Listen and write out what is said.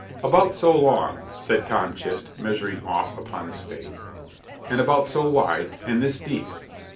"About so long," said Tom Chist, measuring off upon the spade, "and about so wide, and this deep."